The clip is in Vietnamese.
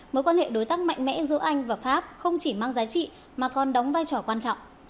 mối quan hệ đối tác mạnh mẽ giữa anh và pháp không chỉ mang giá trị mà còn đóng vai trò quan trọng